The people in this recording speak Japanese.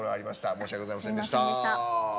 申し訳ございませんでした。